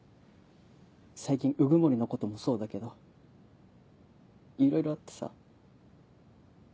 最近鵜久森のこともそうだけどいろいろあってさ。